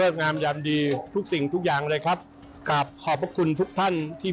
ขออย่าให้ท่านเจ็บขอให้ท่านจน